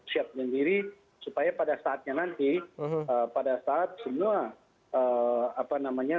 siap sendiri supaya pada saatnya nanti pada saat semua apa namanya